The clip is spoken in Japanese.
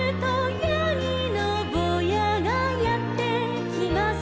「やぎのぼうやがやってきます」